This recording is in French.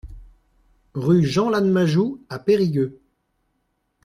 Rue Jean Lannemajou à Périgueux